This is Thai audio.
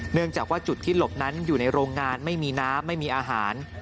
เนื่องจากว่าจุดที่หลบนั้นอยู่ในโรงงานไม่มีน้ำไม่มีอาหาร